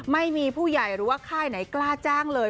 ไม่มีผู้ใหญ่หรือว่าค่ายไหนกล้าจ้างเลย